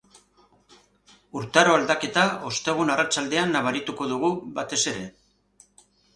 Urtaro aldaketa ostegun arratsaldean nabarituko dugu batez ere.